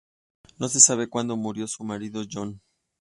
No se sabe cuando murió su marido John.